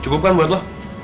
cukup kan buat lo